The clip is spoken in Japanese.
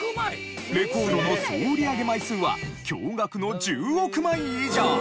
レコードの総売上枚数は驚愕の１０億枚以上！